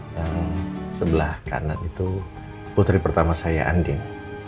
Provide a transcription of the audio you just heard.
yang sebelah kanan itu putri pertama saya andin